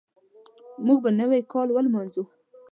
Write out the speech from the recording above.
موږ به نوی کال ولمانځو.